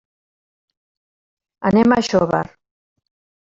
Anem a Xóvar.